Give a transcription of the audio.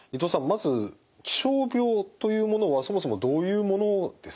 まず気象病というものはそもそもどういうものですか？